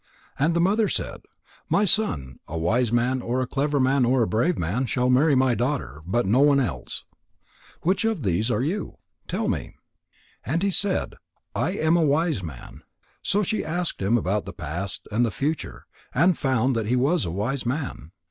And the mother said: "My son, a wise man or a clever man or a brave man shall marry my daughter but no one else. Which of these are you? Tell me." And he said: "I am a wise man." So she asked him about the past and the future, and found that he was a wise man.